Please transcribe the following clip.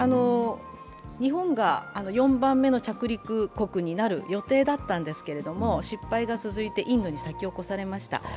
日本が４番目の着陸国になる予定だったんですが、失敗が続いてインドに先を越されました。